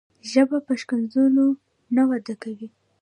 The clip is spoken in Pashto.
ژبه په ښکنځلو نه وده کوي.